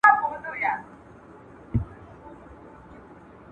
ما به د منظور په جامه، روح د جانان وویني